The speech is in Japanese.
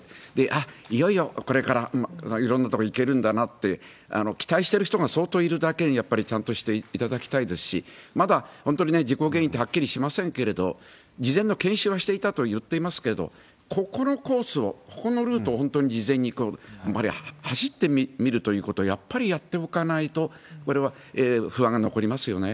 あっ、いよいよこれからいろんな所行けるんだなって、期待してる人が相当いるだけに、やっぱりちゃんとしていただきたいですし、まだ本当に事故原因ってはっきりしませんけれども、事前の研修はしていたと言っていますけれども、ここのコースを、このルートを事前に本当に走ってみるということをやっぱりやっておかないと、これは不安が残りますよね。